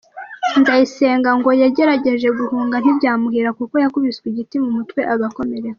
Nzayisenga ngo yagerageje guhunga ntibyamuhira, kuko yakubiswe igiti mu mutwe agakomereka.